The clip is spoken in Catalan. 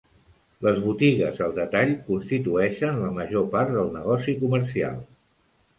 Les botigues al detall constitueixen la major part del negoci comercial.